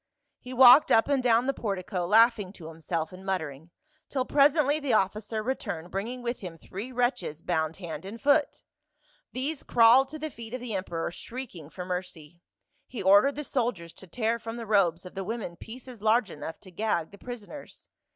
He walked up and down the portico, laughing to himself and muttering, till presently the officer returned bringing with him three wretches bound hand and foot ; these crawled to the feet of the emperor shrieking for mercy ; he ordered the soldiers to tear from the robes of the women pieces large enough to gag the prisoners."